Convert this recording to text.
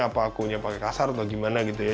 apa akunya pakai kasar atau gimana gitu ya